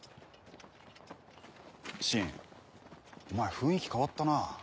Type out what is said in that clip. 信お前雰囲気変わったなぁ。